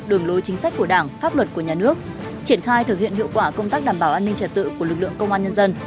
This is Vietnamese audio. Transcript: đường lối chính sách của đảng pháp luật của nhà nước triển khai thực hiện hiệu quả công tác đảm bảo an ninh trật tự của lực lượng công an nhân dân